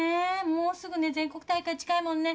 もうすぐね全国大会近いもんね。